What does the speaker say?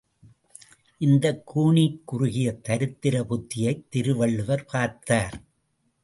இந்தக் கூனிக்குறுகிய தரித்திர புத்தியைத் திருவள்ளுவர் பார்த்தார்.